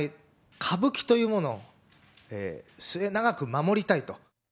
歌舞伎というものを末長く守りたいと。